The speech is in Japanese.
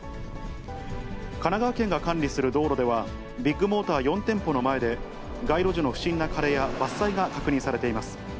神奈川県が管理する道路ではビッグモーター４店舗の前で、街路樹の不審な枯れや伐採が確認されています。